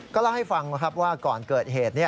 ก็เล่าให้ฟังว่าก่อนเกิดเหตุ